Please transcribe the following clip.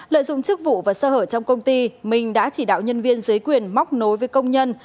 lợi dụng chức vụ và sơ hở trong công ty minh đã chỉ đạo nhân viên dưới quyền móc nối với công nhân